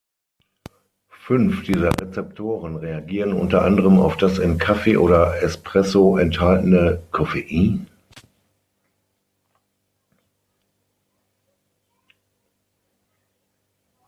Fünf dieser Rezeptoren reagieren unter anderem auf das in Kaffee oder Espresso enthaltene Coffein.